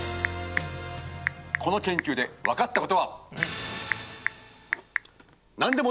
この研究で分かったことは。